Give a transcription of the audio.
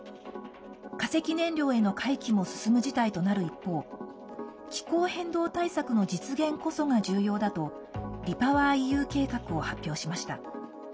化石燃料への回帰も進む事態となる一方気候変動対策の実現こそが重要だとリパワーＥＵ計画を発表しました。